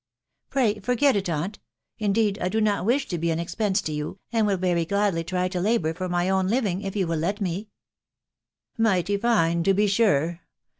u Pray forget it, aunt ! Indeed Isbnot wishfto brsi expense to you, and will very gladly try.toiabomcifbr nuy owl .living, if you will let me/' " Mighty fine, to be sane